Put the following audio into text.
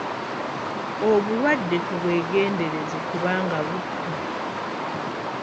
Obulwadde tubwegendereze kubanga butta.